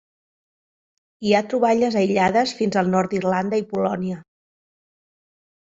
Hi ha troballes aïllades fins al nord d'Irlanda i Polònia.